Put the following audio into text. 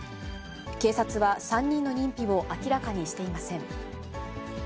警察は、３人の認否を明らかにしていません。